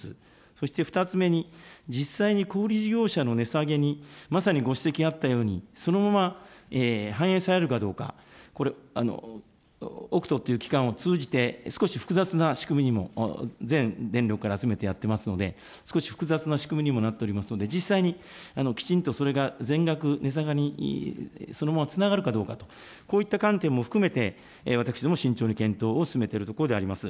そして２つ目に実際に小売り事業者の値下げに、まさにご指摘があったように、そのまま反映されるかどうか、これ、オクトっていう機関を通じて、少し複雑な仕組みにも、全電力から集めてやっていますので、少し複雑な仕組みにもなっておりますので、実際にきちんとそれが全額値下がり、そのままつながるかどうかと、こういった観点も含めて、私ども慎重に検討を進めているところであります。